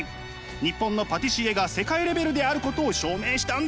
日本のパティシエが世界レベルであることを証明したんです。